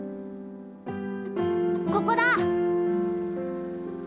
ここだ。